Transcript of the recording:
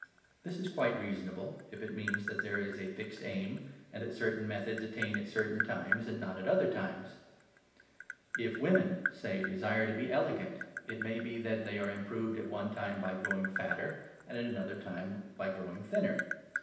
This is quite reasonable, if it means that there is a fixed aim, and that certain methods attain at certain times and not at other times. If women, say, desire to be elegant, it may be that they are improved at one time by growing fatter and at another time by growing thinner.